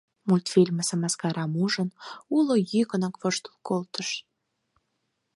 Мультфильмысе мыскарам ужын, уло йӱкынак воштыл колтыш.